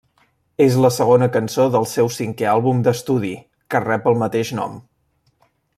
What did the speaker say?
És la segona cançó del seu cinquè àlbum d'estudi, que rep el mateix nom.